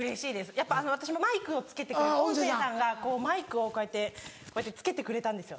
やっぱ私マイクをつけてくれる音声さんがマイクをこうやってつけてくれたんですよ。